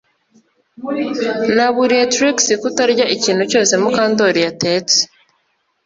Naburiye Trix kutarya ikintu cyose Mukandoli yatetse